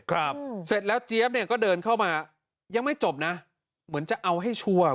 เสร็จแล้วเจี๊ยบเนี่ยก็เดินเข้ามายังไม่จบนะเหมือนจะเอาให้ชัวร์